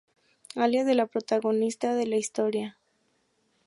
Alias del protagonista de la historia.